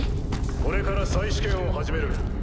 これから再試験を始める。